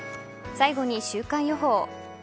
最後に週間予報。